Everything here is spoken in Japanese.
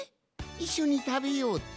いっしょにたべようって？